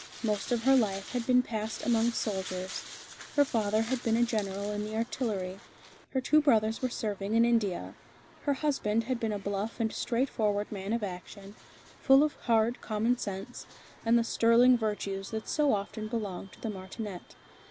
Most of her life had been passed among soldiers. Her father had been a general in the Artillery. Her two brothers were serving in India. Her husband had been a bluff and straightforward man of action, full of hard commonsense, and the sterling virtues that so often belong to the martinet.